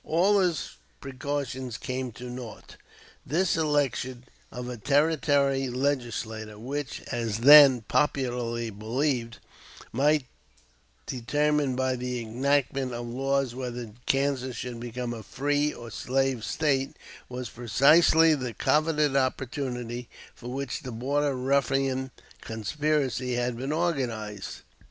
All his precautions came to nought. This election of a territorial legislature, which, as then popularly believed, might determine by the enactment of laws whether Kansas should become a free or a slave State, was precisely the coveted opportunity for which the Border Ruffian conspiracy had been organized.